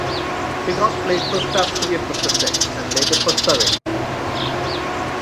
Pigott played first-class cricket for Sussex and later for Surrey.